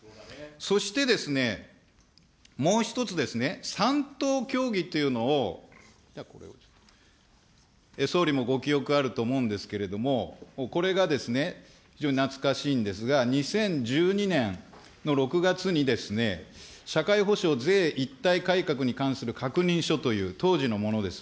そしてですね、もう一つですね、三党協議というのを、総理もご記憶あると思うんですけれども、これがですね、非常に懐かしいんですが、２０１２年の６月にですね、社会保障・税一体改革に関する確認書という、当時のものです。